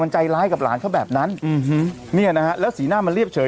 ใจร้ายกับหลานเขาแบบนั้นเนี่ยนะฮะแล้วสีหน้ามันเรียบเฉย